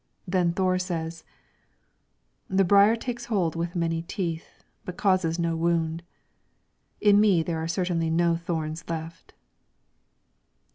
Then Thore says, "The briar takes hold with many teeth, but causes no wound. In me there are certainly no thorns left."